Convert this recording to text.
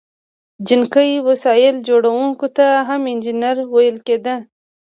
جنګي وسایل جوړوونکو ته هم انجینر ویل کیده.